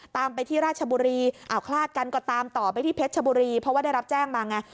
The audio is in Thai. ตามไปที่ราชบุรีอ้าวคลาดกันก็ตามต่อไปที่เพชรชบุรีเพราะว่าได้รับแจ้งมาไง